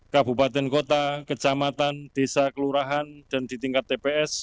kabupaten kota kecamatan desa kelurahan dan di tingkat tps